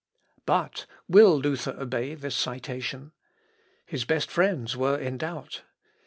] But will Luther obey this citation? His best friends were in doubt.